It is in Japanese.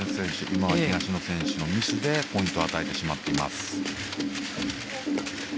今は東野選手のミスでポイントを与えてしまっています。